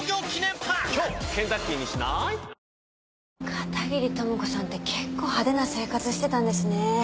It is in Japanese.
片桐朋子さんって結構派手な生活してたんですね。